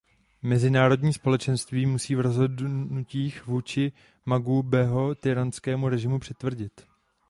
Mezinárodní společenství musí v rozhodnutích vůči Mugabeho tyranskému režimu přitvrdit.